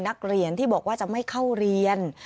นักเรียนที่บอกว่าจะไม่เข้าเรียน